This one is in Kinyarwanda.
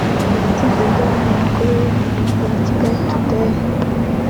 Itsinda ry’abanyamakuru ba Kigali Today